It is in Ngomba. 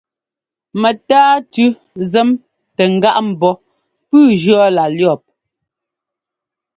Mɛntáatʉ́ zɛ́m tɛ ŋ́gáꞌ mbɔ́ pʉ́ʉ jʉɔ́ lá lʉ̈ɔ́p!